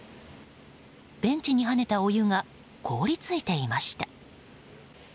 ベンチにはねたお湯が凍り付いていました。